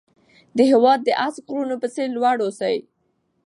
د هېواد د هسک غرونو په څېر لوړ اوسئ.